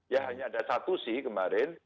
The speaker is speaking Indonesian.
ya hanya ada satu sih kemarin